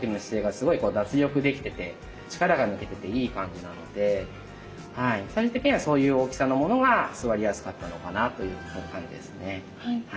力が抜けてていい感じなので最終的にはそういう大きさのものが座りやすかったのかなという感じですね。